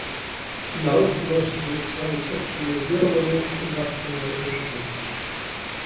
Народ вносит в них свои собственные верования и нравственные убеждения.